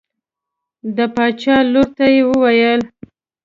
د باچا لور ته یې وویل.